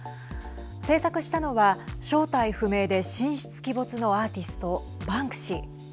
制作したのは正体不明で神出鬼没のアーティストバンクシー。